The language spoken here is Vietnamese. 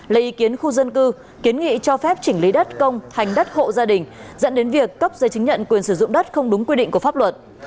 lấy ý kiến khu dân cư kiến nghị cho phép chỉnh lý đất công thành đất hộ gia đình dẫn đến việc cấp giấy chứng nhận quyền sử dụng đất không đúng quy định của pháp luật